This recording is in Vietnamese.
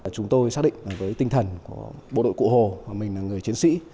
chúng tôi xác định với tinh thần của bộ đội cụ hồ mà mình là người chiến sĩ